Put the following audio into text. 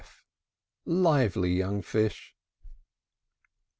f! Lively young fish!